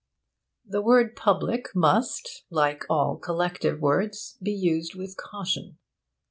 The word 'public' must, like all collective words, be used with caution.